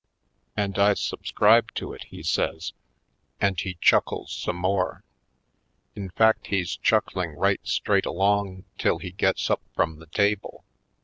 "And I subscribe to it," he says, and he chuckles some more. In fact he's chuck ling right straight along till he gets up from the table.